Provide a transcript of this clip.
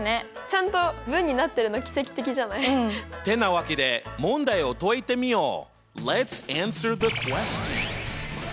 ちゃんと文になってるの奇跡的じゃない？ってなわけで問題を解いてみよう。